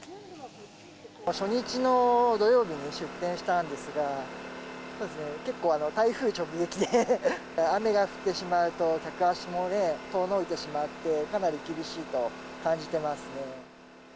初日の土曜日に出店したんですが、結構、台風直撃で、雨が降ってしまうと、客足も遠のいてしまって、かなり厳しいと感じてますね。